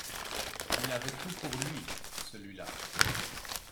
Il avait tout pour lui, celui-la